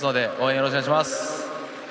よろしくお願いします。